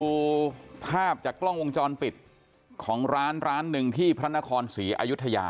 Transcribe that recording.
ดูภาพจากกล้องวงจรปิดของร้านร้านหนึ่งที่พระนครศรีอายุทยา